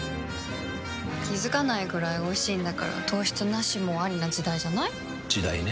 気付かないくらいおいしいんだから糖質ナシもアリな時代じゃない？時代ね。